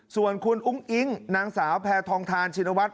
ส่วนคุณอุ้งอิ๊งนางสาวแพทองทานชินวัฒน